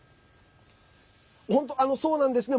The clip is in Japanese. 本当、そうなんですね。